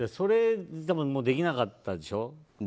でもできなかったでしょ。